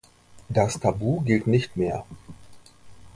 Das Tabu gilt nicht mehr.